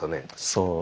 そう。